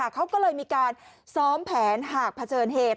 เขาก็เลยมีการซ้อมแผนหากเผชิญเหตุ